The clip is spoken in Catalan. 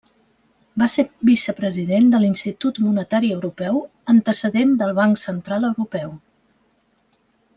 Va ser vicepresident de l'Institut Monetari Europeu, antecedent del Banc Central Europeu.